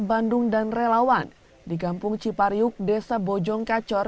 bandung dan relawan di kampung cipariuk desa bojong kacor